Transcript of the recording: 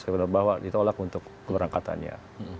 masak bener bahwa ditolak untuk keberangkatannya